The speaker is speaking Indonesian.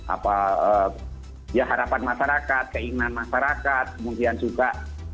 apa ya harapan masyarakat keinginan masyarakat kemudian juga